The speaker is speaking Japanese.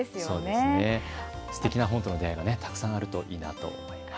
すてきな本との出会いがたくさんあるといいなと思います。